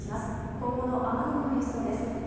今後の雨雲の予想です。